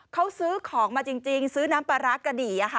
เขาซื้อของมาจริงซื้อน้ำปลาร้ากระดี่